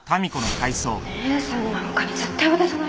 姉さんなんかに絶対渡さないから